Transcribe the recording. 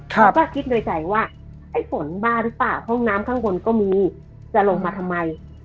เขาก็คิดโดยใจว่าไอ้ฝนบ้าหรือเปล่าห้องน้ำข้างบนก็มีจะลงมาทำไม